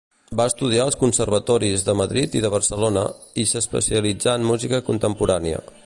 Va estudiar als Conservatoris de Madrid i de Barcelona, i s'especialitzà en música contemporània.